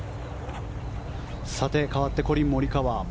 かわって、コリン・モリカワ。